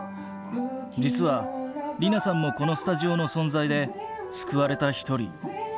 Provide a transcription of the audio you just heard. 実は莉菜さんもこのスタジオの存在で救われた一人。